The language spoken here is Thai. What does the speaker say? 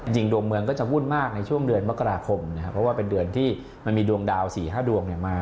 ดวงเมืองก็จะวุ่นมากในช่วงเดือนมกราคมนะครับเพราะว่าเป็นเดือนที่มันมีดวงดาว๔๕ดวงเนี่ยมา